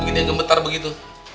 gini yang gemetar begitu